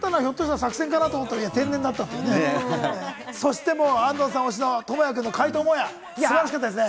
そして安藤さん、推しのトモヤさんの怪盗モヤ、すごかったですね。